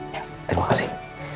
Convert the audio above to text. ya terima kasih